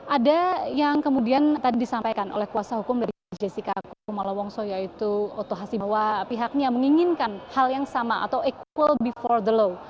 ada yang kemudian tadi disampaikan oleh kuasa hukum dari jessica kumala wongso yaitu oto hasi bahwa pihaknya menginginkan hal yang sama atau equal before the law